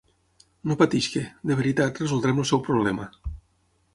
No pateixi, de veritat resoldrem el seu problema.